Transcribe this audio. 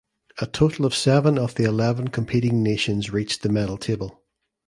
A total of seven of the eleven competing nations reached the medal table.